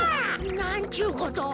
なんちゅうことを。